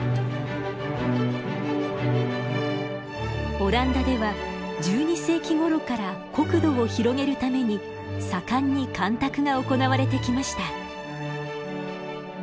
オランダでは１２世紀ごろから国土を広げるために盛んに干拓が行われてきました。